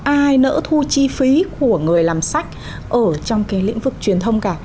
ai nỡ thu chi phí của người làm sách ở trong cái lĩnh vực truyền thông cả